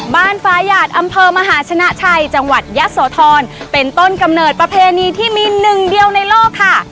ฟ้าหยาดอำเภอมหาชนะชัยจังหวัดยะโสธรเป็นต้นกำเนิดประเพณีที่มีหนึ่งเดียวในโลกค่ะ